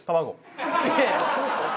いやいや「そう」って。